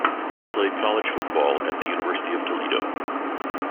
He played college football at the University of Toledo.